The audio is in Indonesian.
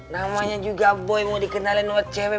namanya juga boy mau dikenalin sama cewek